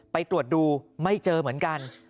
ไปตรวจดูไม่เจอเหมือนกัน